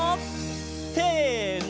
せの！